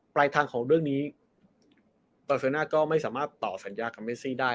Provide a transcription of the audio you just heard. ปลายทางของเรื่องนี้ปาเซอร์น่าก็ไม่สามารถต่อสัญญากับเมซี่ได้